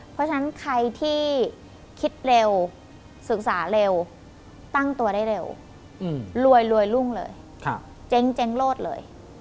เพราะฉะนั้นใครที่คิดเร็วศึกษาเร็วตั้งตัวได้เร็วรวยรุ่งเลยเจ๊งโลดเลย